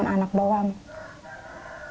ibu mah harapannya cuma anak doang